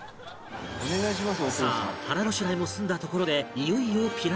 さあ腹ごしらえも済んだところで